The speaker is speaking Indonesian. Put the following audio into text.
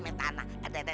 aduh aduh aduh aduh